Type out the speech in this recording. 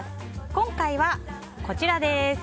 今回はこちらです。